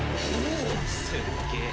すっげぇ。